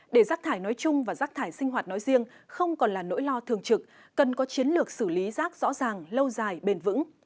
để rác thải nói chung và rác thải sinh hoạt nói riêng không còn là nỗi lo thường trực cần có chiến lược xử lý rác rõ ràng lâu dài bền vững